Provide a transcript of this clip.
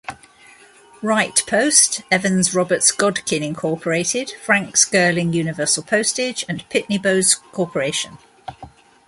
"Wright Post", "Evans Roberts Godkin Inc","Franks-Girling Universal Postage" and "Pitney-Bowes Co".